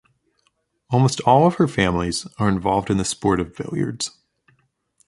Almost all of her families are involved in the sport of billiards.